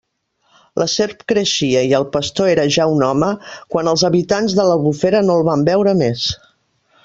La serp creixia i el pastor era ja un home, quan els habitants de l'Albufera no el van veure més.